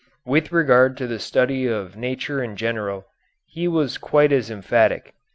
With regard to the study of nature in general he was quite as emphatic.